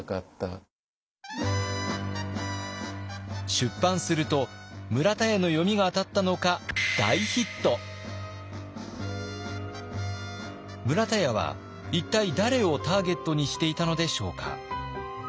出版すると村田屋の読みが当たったのか村田屋は一体誰をターゲットにしていたのでしょうか？